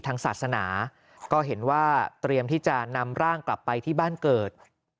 ทางศาสนาก็เห็นว่าเตรียมที่จะนำร่างกลับไปที่บ้านเกิด